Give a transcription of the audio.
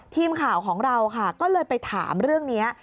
ทีมข่าวของเราค่ะก็เลยไปถามเรื่องนี้